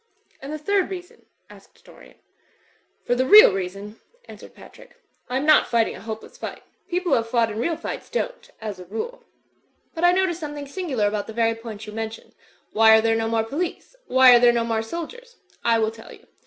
"And the third reason?" asked Dorian. *Tor the real reason," answered Patrick, "I am not fighting a hopeless fight. People who have fought in real fights don't, as a rule. But I noticed something singular about the very point you mention. Why are there no more police? Why are there no more sol diers? I will tell you.